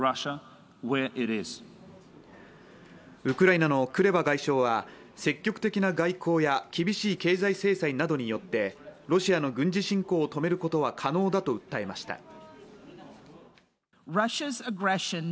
ウクライナのクレバ外相は積極的な外交や厳しい経済制裁などによってロシアの軍事侵攻を止めることは可能だと訴えました。